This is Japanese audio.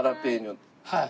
はい。